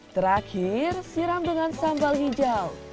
terakhir siram dengan sambal hijau